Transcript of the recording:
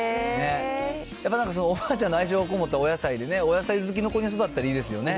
やっぱおばあちゃんの愛情が込もったお野菜で、お野菜好きの子に育ったらいいですよね。